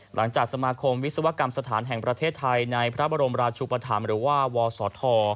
สมาคมวิศวกรรมสถานแห่งประเทศไทยในพระบรมราชุปธรรมหรือว่าวศธ